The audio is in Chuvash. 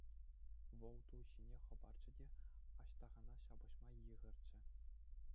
Вӑл ту ҫине хӑпарчӗ те Аҫтахана ҫапӑҫма йыхӑрчӗ.